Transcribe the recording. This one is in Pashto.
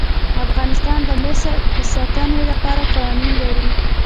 افغانستان د مس د ساتنې لپاره قوانین لري.